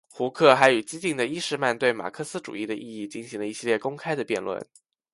胡克还与激进的伊士曼对马克思主义的意义进行了一系列公开的辩论。